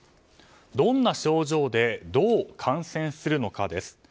どんな症状でどう感染するのかです。